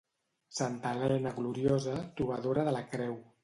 Santa Elena gloriosa, trobadora de la creu.